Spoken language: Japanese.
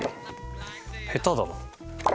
下手だな。